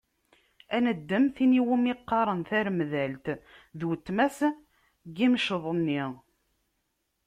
Ad neddem tin i wumi qqaren taremdalt, d uletma-s n yimceḍ-nni.